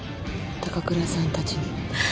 高倉さんたちに。